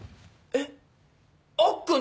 えっ？